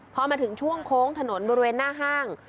พอมาถึงช่วงโค้งถนนบริเวณหน้าห้าง